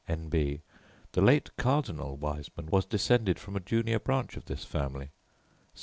N.B. The late Cardinal Wiseman was descended from a junior branch of this family.